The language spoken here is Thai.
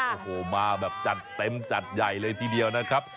โอ้โหมาแบบจัดเต็มจัดใหญ่เลยทีเดียวนะครับ